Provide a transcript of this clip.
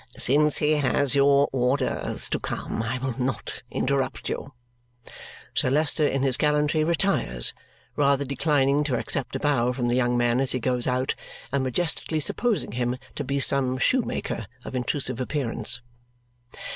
Since he has your orders to come, I will not interrupt you." Sir Leicester in his gallantry retires, rather declining to accept a bow from the young man as he goes out and majestically supposing him to be some shoemaker of intrusive appearance.